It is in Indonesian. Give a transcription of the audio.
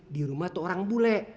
di rumah tuh orang bule